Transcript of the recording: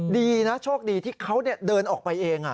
ดีนะโชคดีที่เขาเดินออกไปเอง